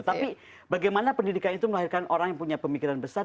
tapi bagaimana pendidikan itu melahirkan orang yang punya pemikiran besar